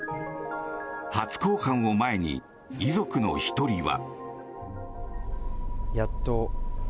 初公判を前に遺族の１人は。